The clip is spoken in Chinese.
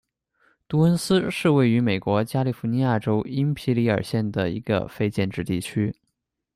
杜恩斯是位于美国加利福尼亚州因皮里尔县的一个非建制地区。